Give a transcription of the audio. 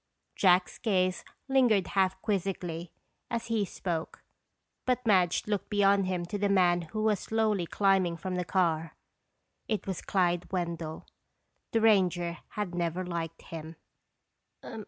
Jack's gaze lingered half quizzically as he spoke, but Madge looked beyond him to the man who was slowly climbing from the car. It was Clyde Wendell. The ranger had never liked him.